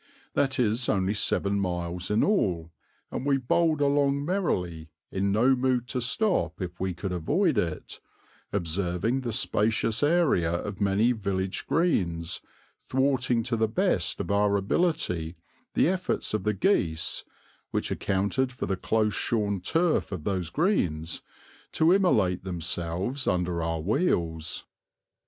That is only seven miles in all, and we bowled along merrily, in no mood to stop if we could avoid it, observing the spacious area of many village greens, thwarting to the best of our ability the efforts of the geese (which accounted for the close shorn turf of those greens) to immolate themselves under our wheels.